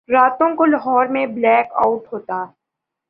راتوں کو لاہور میں بلیک آؤٹ ہوتا۔